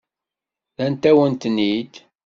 Rrant-awen-ten-id.